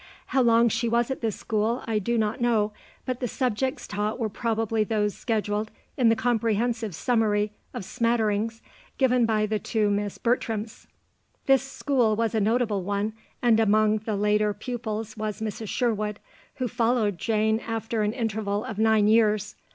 How long she was at this school I do not know, but the subjects taught were probably those scheduled in the comprehensive summary of smatterings given by the two Miss Bertrams. This school was a notable one, and among the later pupils was Mrs. Sherwood, who followed Jane after an interval of nine years.